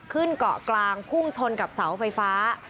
เกาะกลางพุ่งชนกับเสาไฟฟ้า